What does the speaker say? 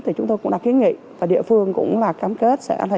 thì chúng tôi cũng đã kiến nghị và địa phương cũng là cam kết sẽ là